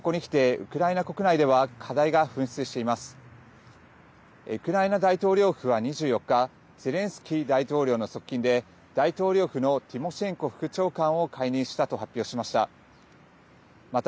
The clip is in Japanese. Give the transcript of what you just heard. ウクライナ大統領府は２４日ゼレンスキー大統領の側近で大統領府のティモシェンコ副長官を解任したと発表しました。